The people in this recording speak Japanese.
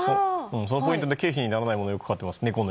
そのポイントで経費にならないものを買っています。